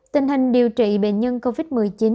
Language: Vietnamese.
tình hình điều trị bệnh nhân covid một mươi chín